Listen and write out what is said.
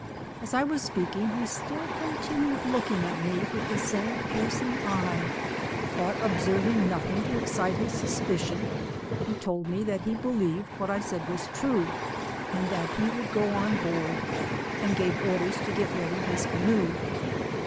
As I was speaking, he still con tinued looking at me with the same piercing eye, ^ but observing nothing to excite bis suspicion, he told me that he believed what I said was true, and that he would go on board, and gave orders to get ready his canoe.